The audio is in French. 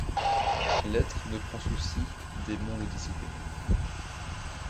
L’être ne prend souci des mondes dissipés.